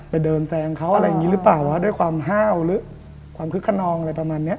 เดินแซงเขาอะไรอย่างนี้หรือเปล่าว่าด้วยความห้าวหรือความคึกขนองอะไรประมาณนี้